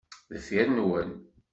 Deffir-nwen.